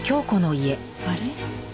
あれ？